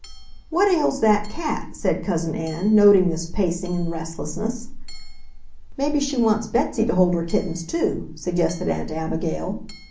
"What ails that cat?" said Cousin Ann, noting this pacing and restlessness. "Maybe she wants Betsy to hold her kittens, too," suggested Aunt Abigail.